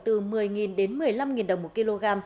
từ một mươi đến một mươi năm đồng một kg